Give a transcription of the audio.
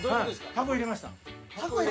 「タコ入れました」。